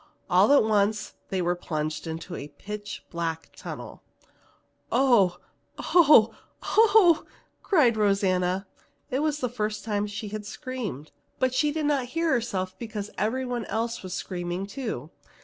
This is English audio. All at once they were plunged into a pitch black tunnel. "Oh, oh, oh!" cried Rosanna. It was the first time she had screamed, but she did not hear herself because everyone else was screaming too.